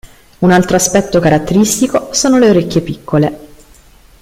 Un altro aspetto caratteristico sono le orecchie piccole.